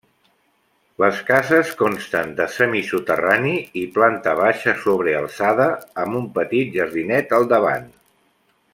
Les cases consten de semisoterrani i planta baixa sobrealçada, amb un petit jardinet al davant.